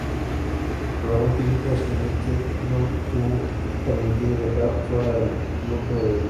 Por algún tiempo Schnittke no tuvo permitido viajar fuera del bloque del este.